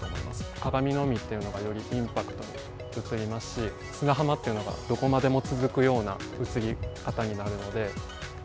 かがみの海がよりインパクトに写りますし、砂浜っていうのがどこまでも続くような写り方になるので。